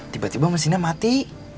tiba tiba mesinnya mati